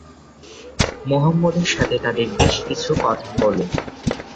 মুহাম্মাদের সাথে তাদের বেশ কিছু কথা হল।